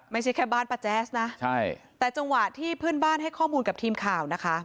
ไม่ใช่แค่บ้านป้าแจ๊สนะใช่แต่จังหวะที่เพื่อนบ้านให้ข้อมูลกับทีมข่าวนะคะ